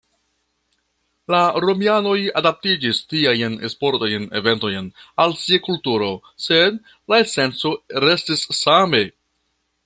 La romianoj adaptiĝis tiajn sportajn eventojn al sia kulturo, sed la esenco restis same.